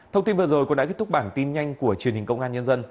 thông tin vừa rồi cũng đã kết thúc bản tin nhanh của truyền hình công an nhân dân